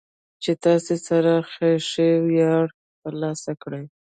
چې تاسې سره د خېښۍ وياړ ترلاسه کو.